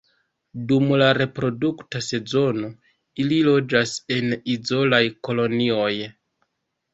Dum la reprodukta sezono ili loĝas en izolaj kolonioj.